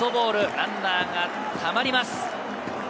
ランナーがたまります。